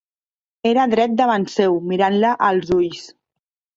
Era dret davant seu, mirant-la als ulls.